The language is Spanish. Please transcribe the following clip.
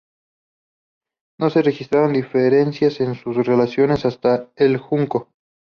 No se registraron diferencias en sus reacciones hacia el junco.